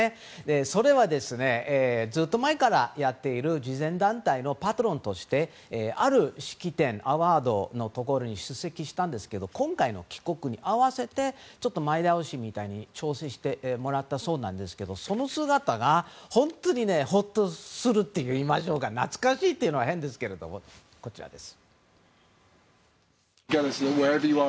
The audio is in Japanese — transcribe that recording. それは、ずっと前からやっている慈善団体のパトロンとしてある式典、アワードのところに出席したんですけど今回の帰国に合わせてちょっと前倒しみたいに調整して、やったんですがその姿が本当にほっとすると言いましょうか懐かしいというのも変ですけどこちらです。